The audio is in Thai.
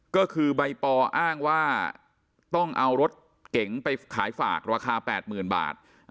ก็คือใบปออ้างว่าต้องเอารถเก๋งไปขายฝากราคา๘๐๐๐บาท